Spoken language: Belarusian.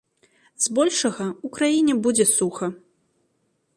З большага, у краіне будзе суха.